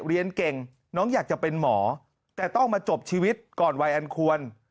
เรียนเก่งน้องอยากจะเป็นหมอแต่ต้องมาจบชีวิตก่อนวัยอันควร